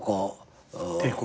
抵抗？